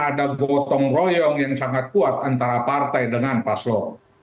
ada gotong royong yang sangat kuat antara partai dengan paslon